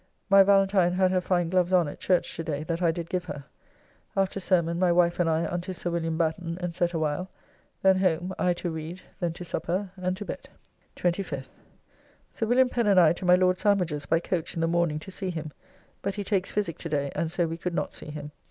My Valentine had her fine gloves on at church to day that I did give her. After sermon my wife and I unto Sir Wm. Batten and sat awhile. Then home, I to read, then to supper and to bed. 25th. Sir Wm. Pen and I to my Lord Sandwich's by coach in the morning to see him, but he takes physic to day and so we could not see him.